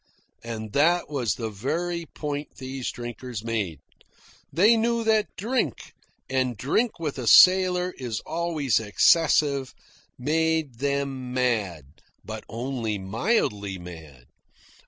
And that was the very point these drinkers made. They knew that drink and drink with a sailor is always excessive made them mad, but only mildly mad.